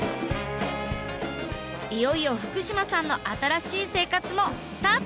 いよいよ福島さんの新しい生活もスタートです。